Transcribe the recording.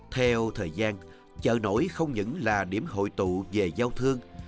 theo thời gian chợ nổi không những là điểm hội tụ về giao thương